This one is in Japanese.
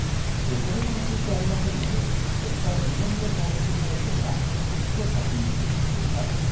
個別の通知はありませんので結果は自分で公式サイトにアクセスして確認する必要があります。